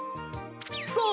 そう！